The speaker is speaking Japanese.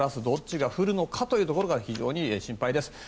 どっちが降るのかというところが非常に心配です。